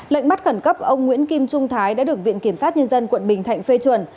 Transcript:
lệnh bắt khẩn cấp ông nguyễn kim trung thái đã được viện kiểm sát nhân dân quận bình thạnh phê chuẩn